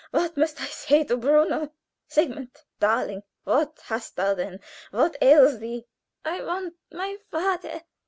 What must I say to Bruno? Sigmund darling, what hast thou then! What ails thee?" "I want my father!"